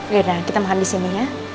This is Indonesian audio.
yaudah kita makan disini ya